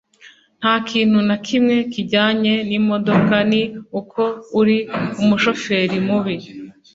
nta kintu na kimwe kijyanye n'imodoka. ni uko uri umushoferi mubi